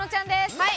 はい！